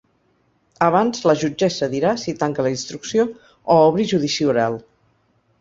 Abans la jutgessa dirà si tanca la instrucció o obri judici oral.